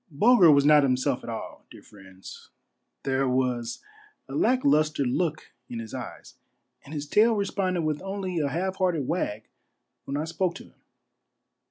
Bulger was not himself at all, dear friends. There was a lack lustre look in his eyes, and his tail responded with only a half hearted wag when I spoke to him.